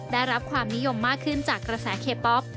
ได้รับความนิยมมากขึ้นจากกระแสเคป๊อป